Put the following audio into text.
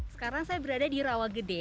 sekarang saya berada di rawagede